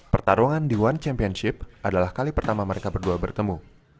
pertarungan di one championship adalah kali pertama mereka berdua bertemu